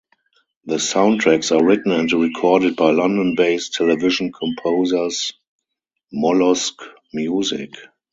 The soundtracks are written and recorded by London-based television composers, Mollusc Music.